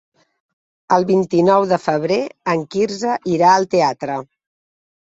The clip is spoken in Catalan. El vint-i-nou de febrer en Quirze irà al teatre.